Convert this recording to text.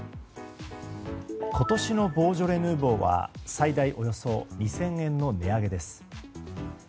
今年のボージョレ・ヌーボーは最大およそ２０００円の値上げです。